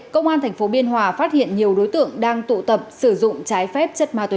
công an tp biên hòa phát hiện nhiều đối tượng đang tụ tập sử dụng trái phép